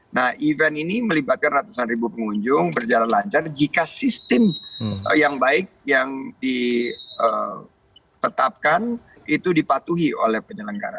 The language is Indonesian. nah event ini melibatkan ratusan ribu pengunjung berjalan lancar jika sistem yang baik yang ditetapkan itu dipatuhi oleh penyelenggara